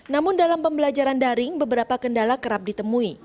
namun dalam pembelajaran daring beberapa kendala kerap ditemui